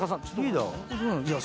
リーダーは？